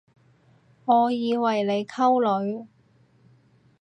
我以為你溝女